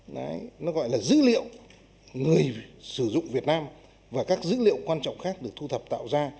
đấy nó gọi là dữ liệu người sử dụng việt nam và các dữ liệu quan trọng khác được thu thập tạo ra